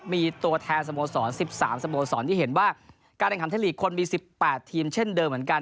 มีตัวแทนสโมสร๑๓สโมสรที่เห็นว่าการแข่งขันไทยลีกคนมี๑๘ทีมเช่นเดิมเหมือนกัน